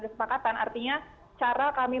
kesepakatan artinya cara kami